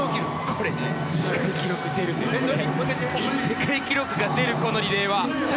これ、世界記録が出るこのリレーは！